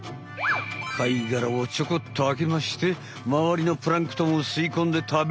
貝がらをちょこっとあけましてまわりのプランクトンをすいこんでたべる。